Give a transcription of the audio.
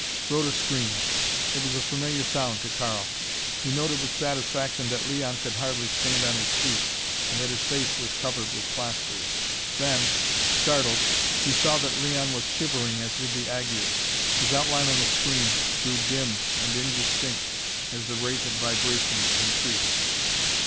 Rhoda screamed. It was a familiar sound to Karl. He noted with satisfaction that Leon could hardly stand on his feet and that his face was covered with plasters. Then, startled, he saw that Leon was shivering as with the ague. His outline on the screen grew dim and indistinct as the rate of vibration increased.